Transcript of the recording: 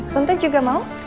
tante juga mau